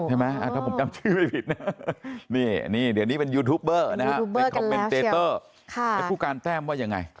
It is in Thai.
ถ้าผมจำชื่อไม่ผิดนะนี่เดี๋ยวนี้เป็นยูทูปเบอร์คอมเมนเตรเตอร์ผู้การแต้มว่ายังไง